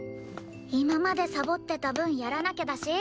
今までサボってた分やらなきゃだし？